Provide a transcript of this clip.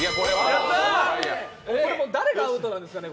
これはもう誰がアウトなんですかね。